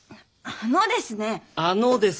あのですね。